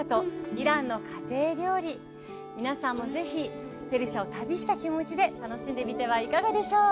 イランの家庭料理皆さんも是非ペルシャを旅した気持ちで楽しんでみてはいかがでしょう。